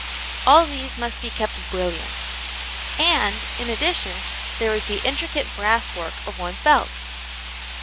All these must be kept brilliant. And, in addition, there was the intricate brasswork of one's belt.